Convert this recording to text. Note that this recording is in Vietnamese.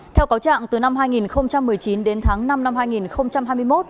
theo cáo trạng từ năm hai nghìn một mươi chín đến tháng năm năm hai nghìn hai mươi một